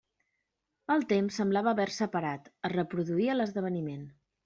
El temps semblava haver-se parat, es reproduïa l'esdeveniment.